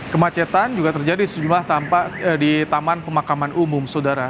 kemacetan juga terjadi sejumlah tampak di taman pemakaman umum saudara